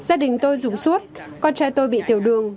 gia đình tôi dùng suốt con trai tôi bị tiểu đường